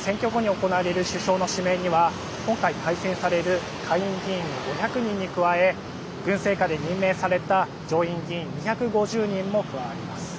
選挙後に行われる首相の指名には今回、改選される下院議員の５００人に加え軍政下で任命された上院議員２５０人も加わります。